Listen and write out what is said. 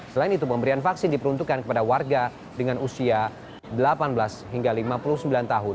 selain itu pemberian vaksin diperuntukkan kepada warga dengan usia delapan belas hingga lima puluh sembilan tahun